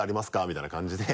みたいな感じで。